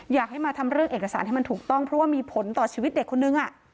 อยากให้มาทำเรื่องเอกสารให้มันถูกต้องเพราะว่ามีผลต่อชีวิตเด็กคนนึง